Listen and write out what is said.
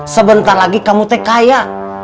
sebentar lagi kamu tekaya